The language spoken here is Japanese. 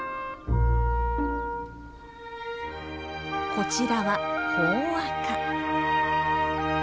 こちらはホオアカ。